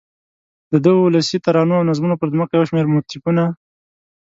دده د ولسي ترانو او نظمونو پر ځمکه یو شمېر موتیفونه